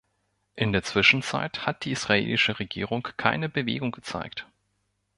In der Zwischenzeit hat die israelische Regierung keine Bewegung gezeigt.